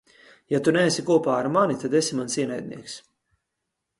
Ja tu neesi kopā ar mani, tad esi mans ienaidnieks.